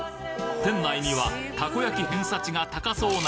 店内にはたこ焼き偏差値が高そうな